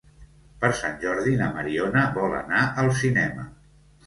Per Sant Jordi na Mariona vol anar al cinema.